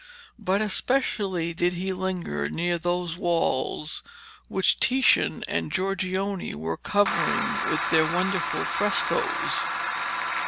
But especially did he linger near those walls which Titian and Giorgione were covering with their wonderful frescoes.